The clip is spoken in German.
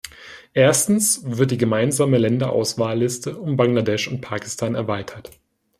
Erstens wird die gemeinsame Länderauswahlliste um Bangladesh und Pakistan erweitert.